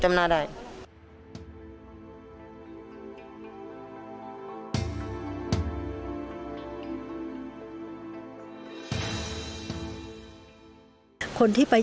สวัสดีครับ